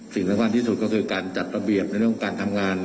สิ่งสำคัญที่สุดก็คือการจัดระเบียบในเรื่องการทำงาน